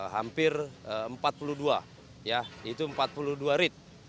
hampir empat puluh dua ya itu empat puluh dua rit